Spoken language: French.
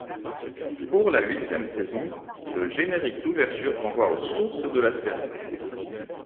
Pour la huitième saison, le générique d'ouverture renvoie aux sources de la série.